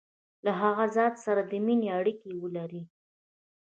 له هغه ذات سره د مینې اړیکي ولري.